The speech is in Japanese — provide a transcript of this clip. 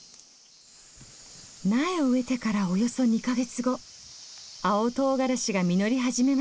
苗を植えてからおよそ２か月後青とうがらしが実り始めました。